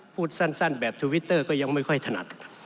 พูดสั้นแบบทวิตเตอร์ก็ยังไม่ค่อยถนัด